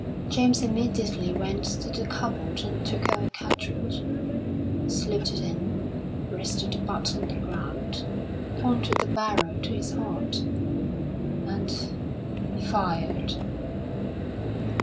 James immediately went to the cupboard and took out a cartridge. He slipped it in, rested the butt on the ground, pointed the barrel to his heart, and fired!